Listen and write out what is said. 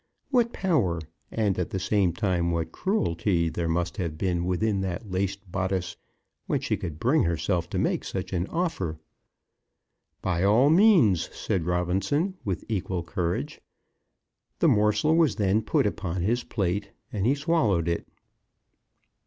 What power, and at the same time what cruelty, there must have been within that laced bodice, when she could bring herself to make such an offer! "By all means," said Robinson, with equal courage. The morsel was then put upon his plate, and he swallowed it.